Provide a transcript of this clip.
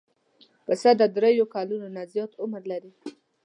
پسه د درېیو کلونو نه زیات عمر لري.